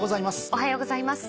おはようございます。